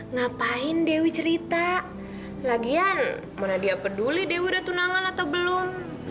ngapain dewi cerita lagian mana dia peduli dewi udah tunangan atau belum